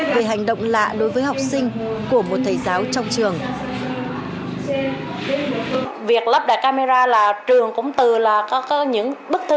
về hành động lạ đối với học sinh